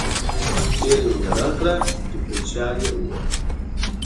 تېل یې ور بدل کړه، ډېفرېنشیال یې وګوره.